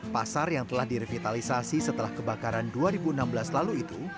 pasar yang telah direvitalisasi setelah kebakaran dua ribu enam belas lalu itu